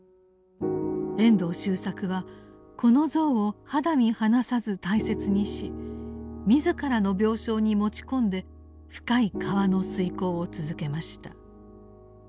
遠藤周作はこの像を肌身離さず大切にし自らの病床に持ち込んで「深い河」の推敲を続けました。